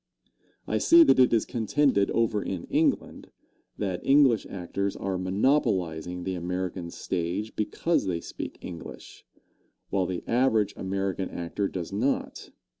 I see that it is contended over in England, that English actors are monopolizing the American stage because they speak English, while the average American actor does not.